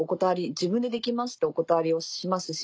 「自分でできます」とお断りをしますし。